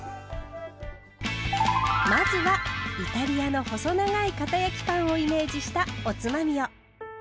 まずはイタリアの細長いかた焼きパンをイメージしたおつまみを。